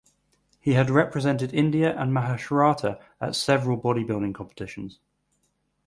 He had represented India and Maharashtra at several bodybuilding competitions.